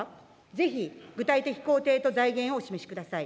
ぜひ具体的工程と財源をお示しください。